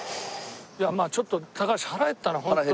いやまあちょっと高橋腹減ったなホントに。